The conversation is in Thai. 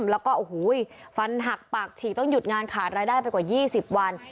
แล้วก็โอ้โหฟันหักปากฉีกต้องหยุดงานขาดรายได้ไปกว่า๒๐วัน